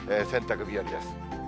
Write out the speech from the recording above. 洗濯日和です。